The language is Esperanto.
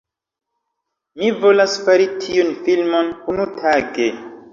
Mi volas fari tiun filmon, unutage